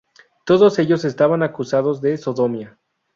Todos ellos estaban acusados de sodomía.